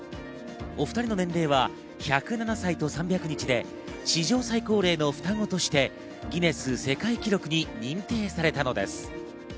お２人の年齢は１０７歳と３００日で史上最高齢の双子としてギネス世界記録に認定されたのです。